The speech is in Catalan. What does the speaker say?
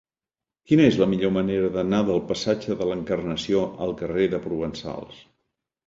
Quina és la millor manera d'anar del passatge de l'Encarnació al carrer de Provençals?